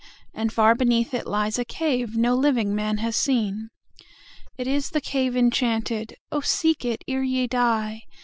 And far beneath it lies a caveNo living man has seen.It is the cave enchanted(Oh, seek it ere ye die!)